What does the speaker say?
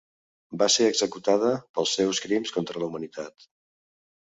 Va ser executada pels seus crims contra la humanitat.